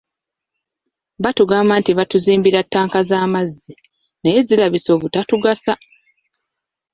Baatugamba nti batuzimbira ttanka z'amazzi naye zirabise obutatugasa.